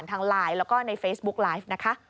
นี่ค่ะคุณผู้ชมพอเราคุยกับเพื่อนบ้านเสร็จแล้วนะน้า